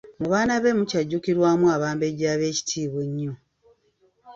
Mu baana be mukyajjukirwamu Abambejja ab'ekitiibwa ennyo.